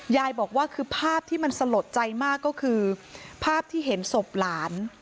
ยายบอกว่าคือภาพที่มันสลดใจมากก็คือภาพที่เห็นศพหลาน